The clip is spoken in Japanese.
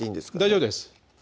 大丈夫です